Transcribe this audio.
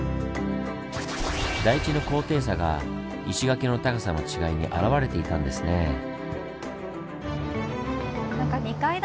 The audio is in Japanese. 台地の高低差が石垣の高さの違いにあらわれていたんですねぇ。